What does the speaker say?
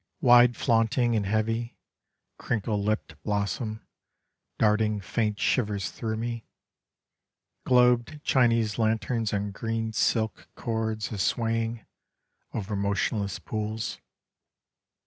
Wide flaunting and heavy, crinkle lipped blossom, Darting faint shivers through me; Globed Chinese lanterns on green silk cords a swaying Over motionless pools.